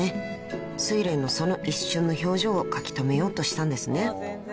［睡蓮のその一瞬の表情を描きとめようとしたんですね］